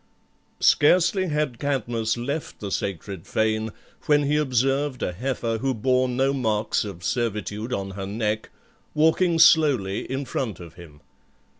Scarcely had Cadmus left the sacred fane, when he observed a heifer who bore no marks of servitude on her neck, walking slowly in front of him.